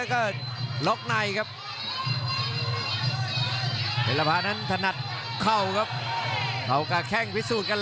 เผ็ดละพาได้เองตี